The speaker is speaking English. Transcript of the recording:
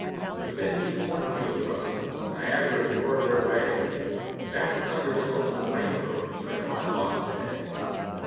Within me cornfields rustle, Niagaras roar their way, Vast thunderstorms and rainbows Are in my thought to day.